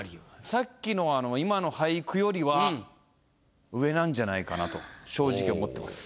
さっきの今の俳句よりは上なんじゃないかなと正直思ってます。